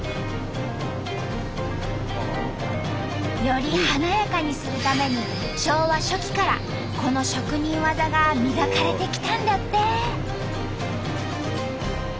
より華やかにするために昭和初期からこの職人技が磨かれてきたんだって。